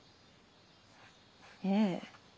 ええ。